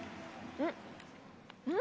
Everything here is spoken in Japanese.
うん。